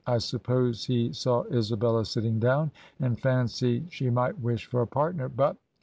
I suppose he saw Isabella sitting down, and fan cied she might wish for a partner, but